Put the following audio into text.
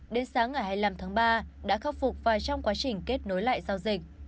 đến sáng ngày hai mươi năm tháng ba đã khắc phục và trong quá trình kết nối lại giao dịch